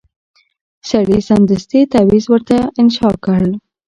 سړي سمدستي تعویذ ورته انشاء کړ